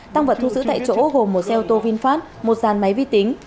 tăng vật thu giữ tại chỗ gồm một xe ô tô vinfast một giàn máy vi tính